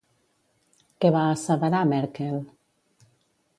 Què va asseverar, Merkel?